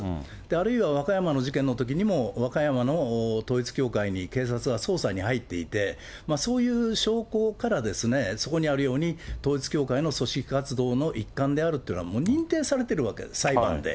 あるいは和歌山の事件のときにも、和歌山の統一教会に警察が捜査に入っていて、そういう証拠からそこにあるように、統一教会の組織活動の一環であるというのは、認定されてるわけ、裁判で。